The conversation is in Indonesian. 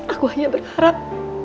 aku hanya berharap